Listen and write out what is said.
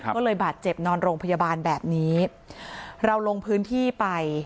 ก็เลยบาดเจ็บนอนโรงพยาบาลแบบนี้เราลงพื้นที่ไป